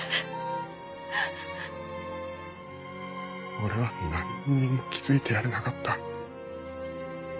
俺は何にも気付いてやれなかった。